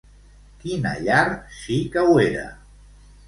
Quina llar sí que ho era?